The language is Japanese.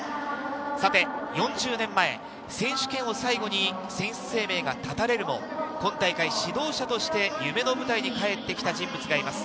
さて４０年前、選手権を最後に選手生命が絶たれるも今大会、指導者として夢の舞台に帰ってきた人物がいます。